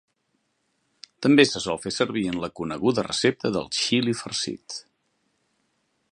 També se sol fer servir en la coneguda recepta del xili farcit.